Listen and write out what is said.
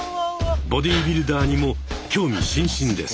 ボディビルダーにも興味津々です！